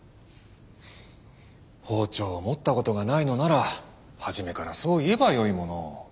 包丁を持ったことがないのなら初めからそう言えばよいものを。